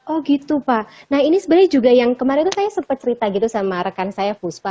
oh gitu pak nah ini sebenarnya juga yang kemarin tuh saya sempat cerita gitu sama rekan saya fuspa